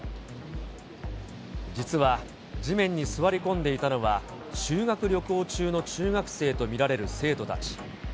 実は地面に座り込んでいたのは、修学旅行中の中学生と見られる生徒たち。